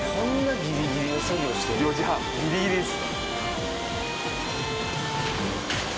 ギリギリですね。